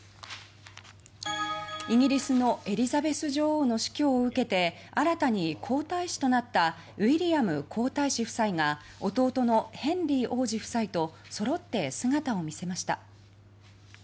イギリスのエリザベス女王の死去を受けて新たに皇太子となったウィリアム皇太子夫妻が弟のヘンリー王子夫妻とそろって姿を見せました。